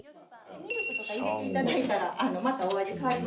ミルクとか入れていただいたらお味変わります。